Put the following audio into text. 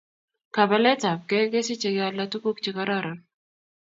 Kabeletab gei kosichei kealda tuguk chekaroron